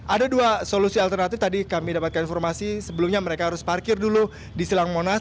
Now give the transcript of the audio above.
ada dua solusi alternatif tadi kami dapatkan informasi sebelumnya mereka harus parkir dulu di silang monas